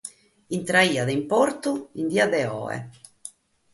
Intreit a su portu in die de oe.